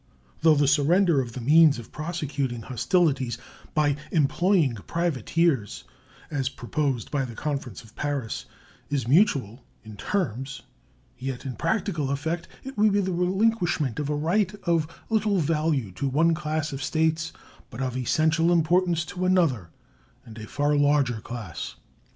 Though the surrender of the means of prosecuting hostilities by employing privateers, as proposed by the conference of Paris, is mutual in terms, yet in practical effect it would be the relinquishment of a right of little value to one class of states, but of essential importance to another and a far larger class.